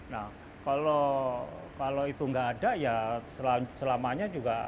nah kalau itu nggak ada ya selamanya juga